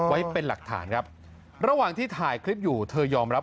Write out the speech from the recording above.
ไว้เป็นหลักฐานครับระหว่างที่ถ่ายคลิปอยู่เธอยอมรับ